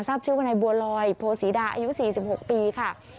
ชื่อว่านายบัวลอยโพศีดาอายุ๔๖ปีค่ะ